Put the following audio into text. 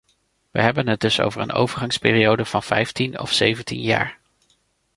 We hebben het dus over een overgangsperiode van vijftien of zeventien jaar.